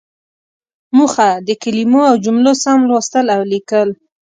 موخه: د کلمو او جملو سم لوستل او ليکل.